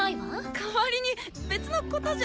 代わりに別のことじゃ。